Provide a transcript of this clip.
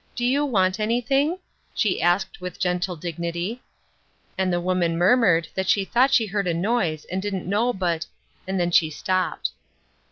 " Do you want anything ?" she asked with gentle dignity ; and the woman murmured that she thought she heard a noise and didn't know but — and then she stopped.